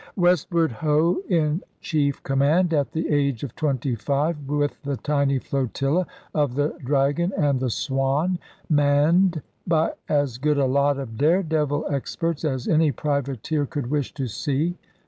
Westward Ho! in chief command, at the age of twenty five, with the tiny flotilla of the Dragon and the Swan, manned by as good a lot of dare devil experts as any privateer could wish to see!